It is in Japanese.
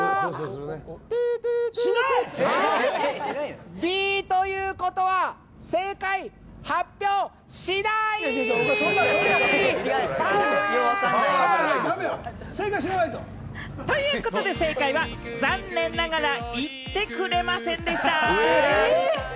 テーテーテー、Ｂということは、正解発表しない。ということで、正解は、残念ながら言ってくれませんでした。